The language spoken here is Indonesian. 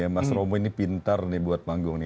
mas romi ini pintar buat manggung